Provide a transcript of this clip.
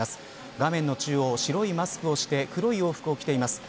画面の中央、白いマスクをして黒い洋服を着ています。